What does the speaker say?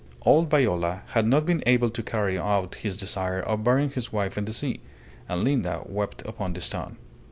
Old Viola had not been able to carry out his desire of burying his wife in the sea; and Linda wept upon the stone.